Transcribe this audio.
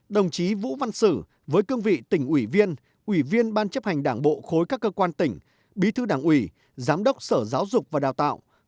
đồng chí vũ văn sử với cương vị tỉnh ủy viên ủy viên ban chấp hành đảng bộ khối các cơ quan tỉnh bí thư đảng ủy giám đốc sở giáo dục và đào tạo